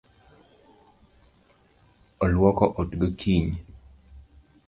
Oluoko ot gokinyi.